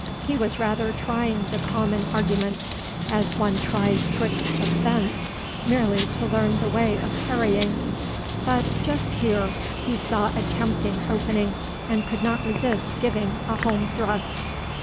He was rather trying the common arguments, as one tries tricks of fence merely to learn the way of parrying. But just here he saw a tempting opening, and could not resist giving a home thrust.